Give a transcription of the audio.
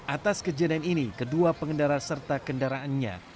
atas kejadian ini kedua pengendara serta kendaraannya